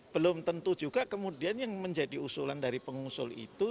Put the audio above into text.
belum tentu juga kemudian yang menjadi usulan dari pengusul itu